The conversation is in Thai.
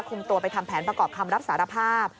คุมตัวไปทำแผนประกอบคำรับสารภาพ